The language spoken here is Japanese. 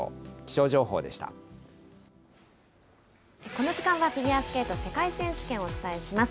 この時間はフィギュアスケート世界選手権をお伝えします。